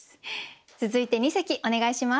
続いて二席お願いします。